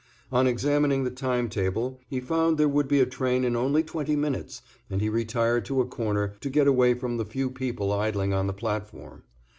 On examining the timetable he found there would be a train in only twenty minutes, and he retired to a corner, to get away from the few people idling on the platform.